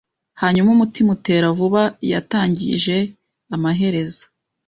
” hanyuma “umutima utera vuba.” Yatangije, amaherezo,